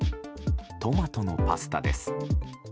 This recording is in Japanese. トマトのパスタです。